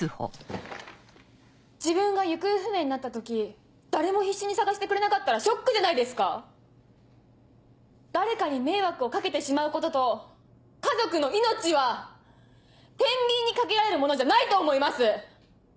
自分が行方不明になった時誰も必死に捜してくれなかったらショックじゃないですか⁉誰かに迷惑を掛けてしまうことと家族の命はてんびんにかけられるものじゃないと思います！